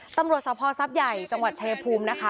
ตำรวจสภสับใหญ่จังหวัดเฉพูมนะคะ